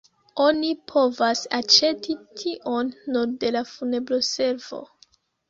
Oni povas aĉeti tion nur de la funebroservo.